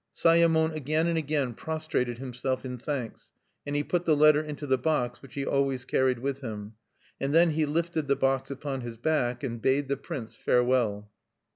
Sayemon again and again prostrated himself in thanks; and he put the letter into the box which he always carried with him. And then he lifted the box upon his back, and bade the prince fare well.